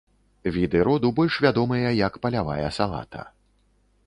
Віды роду больш вядомыя як палявая салата.